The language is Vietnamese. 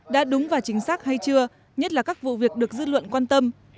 đã đúng và chính xác hay chưa nhất là các vụ việc được dư luận quan tâm